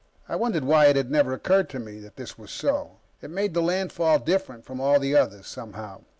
I wondered why it had never occurred to me that this was so. It made the landfall different from all the others, somehow.